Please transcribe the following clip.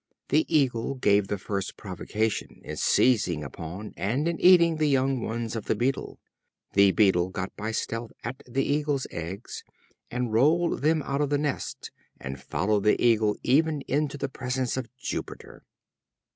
The Eagle gave the first provocation in seizing upon and in eating the young ones of the Beetle. The Beetle got by stealth at the Eagle's eggs, and rolled them out of the nest, and followed the Eagle even into the presence of Jupiter.